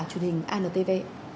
truyền hình antv